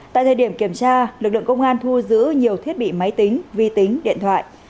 tại thời điểm kiểm tra lực lượng công an thu giữ nhiều thiết bị máy tính vi tính điện thoại